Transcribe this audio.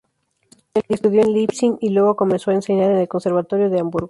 Estudió en Leipzig y luego comenzó a enseñar en el Conservatorio de Hamburgo.